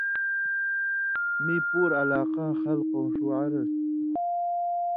میں پُور علاقاں خلکؤں ݜُو عرض تُھو